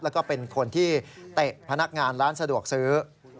แล้วก็เป็นคนที่เตะพนักงานร้านสะดวกซื้อ